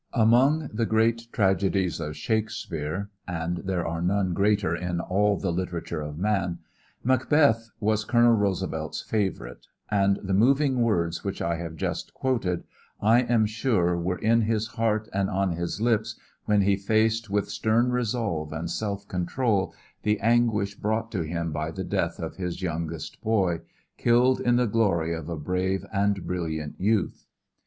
Among the great tragedies of Shakespeare, and there are none greater in all the literature of man, Macbeth was Colonel Roosevelt's favorite, and the moving words which I have just quoted I am sure were in his heart and on his lips when he faced with stern resolve and self control the anguish brought to him by the death of his youngest boy, killed in the glory of a brave and brilliant youth.